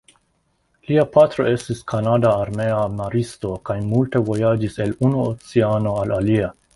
Lia patro estis kanada armea maristo kaj multe vojaĝis el unu oceano al alia.